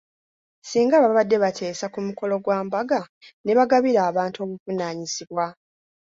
Singa babadde bateesa ku mukolo gwa mbaga, ne bagabira abantu obuvunaanyizibwa.